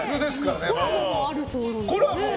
コラボもあるそうですね。